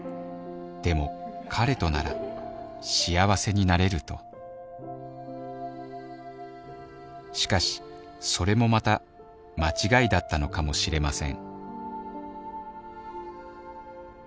でも彼となら幸せになれるとしかしそれもまた間違いだったのかもしれません